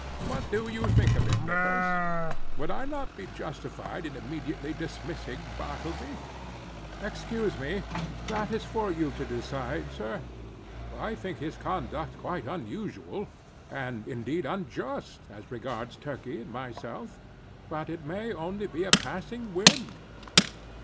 What do you think of it, Nippers? Would I not be justified in immediately dismissing Bartleby?" "Excuse me, that is for you to decide, sir. I think his conduct quite unusual, and indeed unjust, as regards Turkey and myself. But it may only be a passing whim."